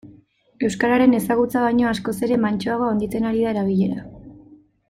Euskararen ezagutza baino askoz ere mantsoago handitzen ari da erabilera.